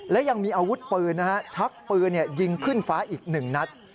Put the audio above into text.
และยังมีอาวุธปือชับปือยิงขึ้นฟ้าอีกหนึ่งนัด